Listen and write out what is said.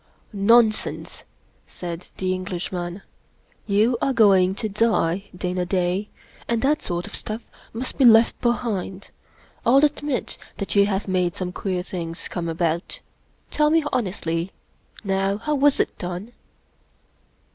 " Nonsense," said the Englishman, " you are going to die, Dana Da, and that sort of stuff must be left behind, ril admit that you have made some queer things coipe about. Tell me honestly, now, how was it done